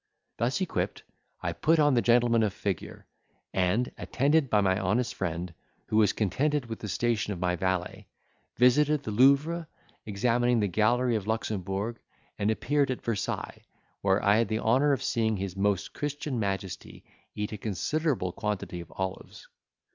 Thus equipped, I put on the gentleman of figure, and, attended by my honest friend, who was contented with the station of my valet, visited the Louvre, examined the gallery of Luxembourg, and appeared at Versailles, where I had the honour of seeing his Most Christian Majesty eat a considerable quantity of olives.